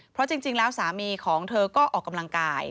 เพราะจริงแล้วสามีของเธอก็ออกกำลังกาย